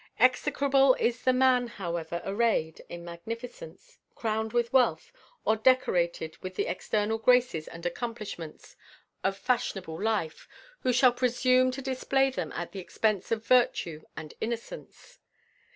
Execrable is the man, however arrayed in magnificence, crowned with wealth, or decorated with the external graces and accomplishments of fashionable life, who shall presume to display them at the expense of virtue and innocence.